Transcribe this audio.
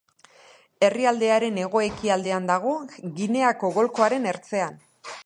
Herrialdearen hego-ekialdean dago, Gineako golkoaren ertzean.